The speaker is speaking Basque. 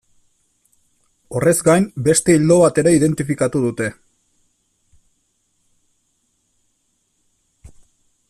Horrez gain, beste ildo bat ere identifikatu dute.